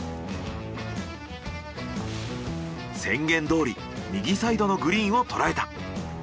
宣言どおり右サイドのグリーンをとらえた。